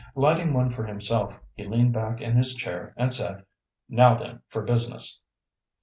Lighting one for himself, he leaned back in his chair and said "Now then for business!"